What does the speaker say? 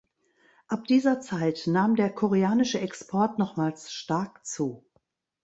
Ab dieser Zeit nahm der koreanische Export nochmals stark zu.